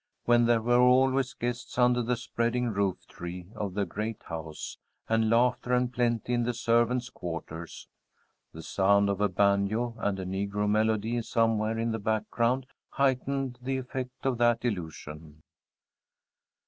When there were always guests under the spreading rooftree of the great house, and laughter and plenty in the servants' quarters. The sound of a banjo and a negro melody somewhere in the background heightened the effect of that illusion.